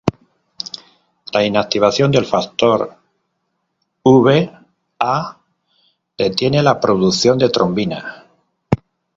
La inactivación del Factor Va detiene la producción de trombina.